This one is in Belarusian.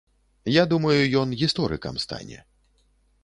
Я думаю, ён гісторыкам стане.